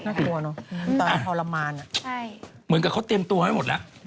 กลัวเนอะตอนทรมานเหมือนกับเขาเตรียมตัวให้หมดแล้ว